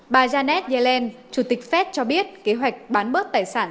bà janet yellen chủ tịch fed cho biết kế hoạch bán bớt tài sản